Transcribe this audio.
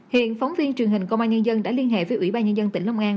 hiện phóng viên truyền hình công an nhân dân đã liên hệ với ủy ban nhân dân tỉnh long an